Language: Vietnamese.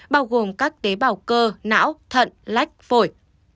bao gồm các tế bào cơ não thận lách phổi